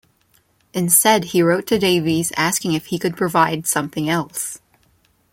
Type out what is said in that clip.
Instead, he wrote to Davies asking if he could provide something else.